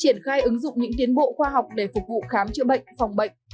triển khai ứng dụng những tiến bộ khoa học để phục vụ khám chữa bệnh phòng bệnh